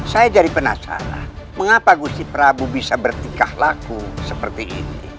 saya jadi penasaran mengapa gusi prabu bisa bertikah laku seperti ini